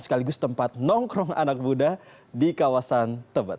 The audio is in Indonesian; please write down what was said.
sekaligus tempat nongkrong anak buddha di kawasan tebet